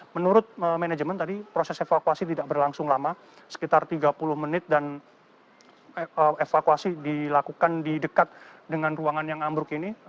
menurut manajemen tadi proses evakuasi tidak berlangsung lama sekitar tiga puluh menit dan evakuasi dilakukan di dekat dengan ruangan yang ambruk ini